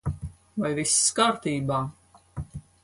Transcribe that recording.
Vai viss kārtībā?